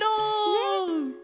ねっ！